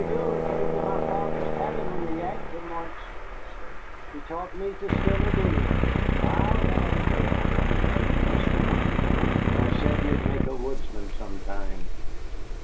Boone came to my father's cabin on the Yadkin once," I said; "he taught me to skin a deer." "Ay, that I did," exclaimed Mr. Boone, "and I said ye'd make a woodsman sometime."